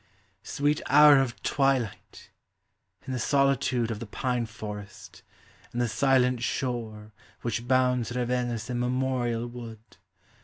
Sweet hour of twilight ! in the solitude Of the pine forest, and the silent shore Which bounds Ravenna's immemorial wood.